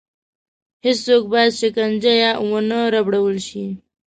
هېڅوک باید شکنجه یا ونه ربړول شي.